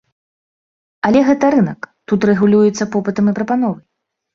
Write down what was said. Але гэта рынак, тут рэгулюецца попытам і прапановай.